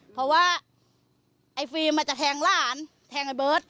เพราะว่าไอฟีมจะแทงล่านแทงเบิร์ต